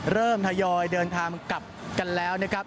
เริ่มทยอยเดินทางกลับกันแล้ว